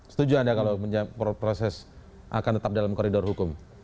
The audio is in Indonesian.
setuju anda kalau proses akan tetap dalam koridor hukum